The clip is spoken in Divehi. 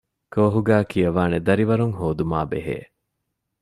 ކޯހުގައި ކިޔަވާނެ ދަރިވަރުން ހޯދުމާ ބެހޭ